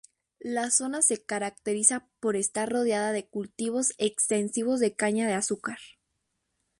La zona se caracteriza por estar rodeada de cultivos extensivos de caña de azúcar.